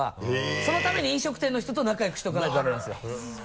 そのために飲食店の人と仲良くしておかないとダメなんですよ。